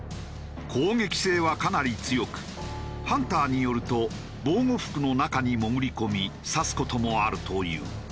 攻撃性はかなり強くハンターによると防護服の中に潜り込み刺す事もあるという。